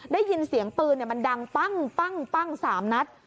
ได้ยินเสียงปืนมันดังปั้ง๓นัด